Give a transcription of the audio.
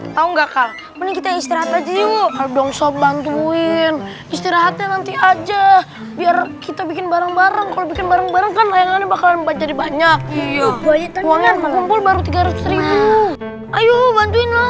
sampai jumpa di video selanjutnya